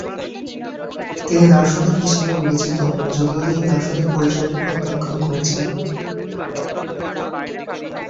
তিনি দার্শনিক হিসেবেও বিবেচিত যদিও তিনি দার্শনিক পরিচয়টি প্রত্যাখ্যান করেছিলেন।